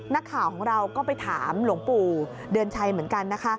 นักข่าวของเราก็ไปถามหลวงปู่เดือนชัยเหมือนกันนะคะ